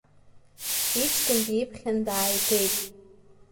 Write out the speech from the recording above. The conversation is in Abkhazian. Иҷкәын диԥхьан дааигеит.